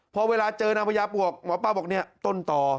พอเวลาเจอนางพญาปวกหมอป้าบอกเนี่ยต้นต่อ